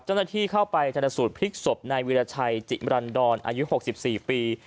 เจ้าหน้าที่เข้าไปจะแต่สูตรพลิกศพในวีรชัยจิบรันดอนอายุ๖๔ปี